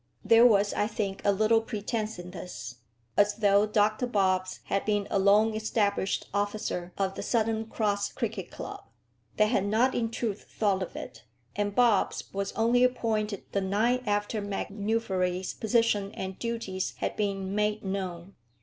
There was, I think, a little pretence in this, as though Dr Bobbs had been a long established officer of the Southern Cross cricket club, they had not in truth thought of it, and Bobbs was only appointed the night after MacNuffery's position and duties had been made known.